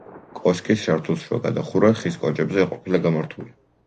კოშკის სართულშუა გადახურვა ხის კოჭებზე ყოფილა გამართული.